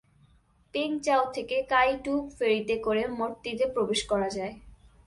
Peng Chau থেকে কাই-টু ফেরিতে করে মঠটিতে প্রবেশ করা যায়।